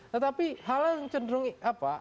tetapi hal hal yang cenderung apa